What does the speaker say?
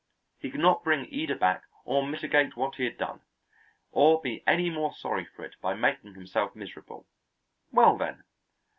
He could not bring Ida back, or mitigate what he had done, or be any more sorry for it by making himself miserable. Well, then!